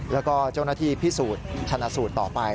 แล้วก็เจ้าหน้าที่พิสูจน์ชนะสูตรต่อไป